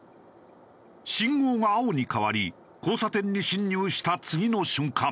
信号が青に変わり交差点に進入した次の瞬間。